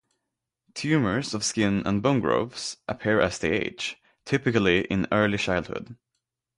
Tumors of skin and bone growths appear as they age typically in early childhood.